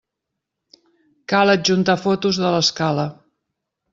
Cal adjuntar fotos de l'escala.